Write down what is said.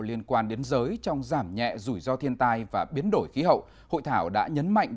liên quan đến giới trong giảm nhẹ rủi ro thiên tai và biến đổi khí hậu hội thảo đã nhấn mạnh